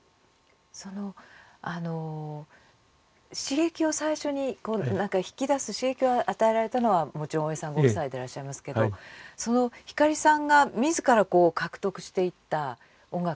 その刺激を最初に引き出す刺激を与えられたのはもちろん大江さんご夫妻でらっしゃいますけど光さんがみずから獲得していった音楽の世界。